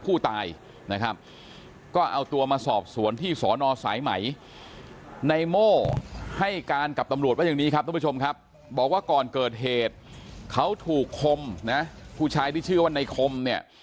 ว่าอย่างนี้ครับทุกผู้ชมครับบอกว่าก่อนเกิดเหตุเขาถูกคมนะผู้ชายที่ชื่อว่าในคมเนี่ย